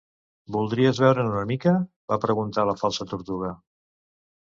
"Voldries veure'n una mica?", va preguntar la Falsa Tortuga.